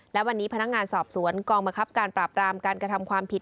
และวันนี้พนักงานสอบสวนกองบังคับการปราบรามการกระทำความผิด